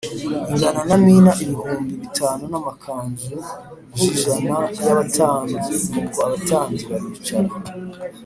ingana na mina ibihumbi bitanu n amakanzu j ijana y abatambyi Nuko abatambyi baricara